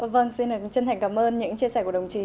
vâng xin chân thành cảm ơn những chia sẻ của đồng chí